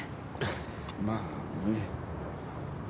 まあねえ。